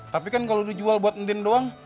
tapi kan kalau dijual buat ndin doang